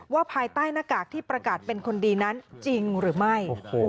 ภายใต้หน้ากากที่ประกาศเป็นคนดีนั้นจริงหรือไม่